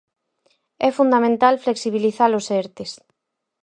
É fundamental flexibilizar os Ertes.